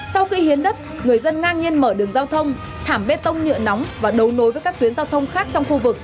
sau khi hiến đất người dân ngang nhiên mở đường giao thông thảm bê tông nhựa nóng và đấu nối với các tuyến giao thông khác trong khu vực